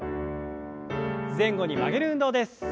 前後に曲げる運動です。